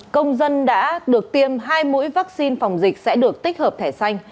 công dân đã được tiêm hai mũi vaccine phòng dịch sẽ được tích hợp thẻ xanh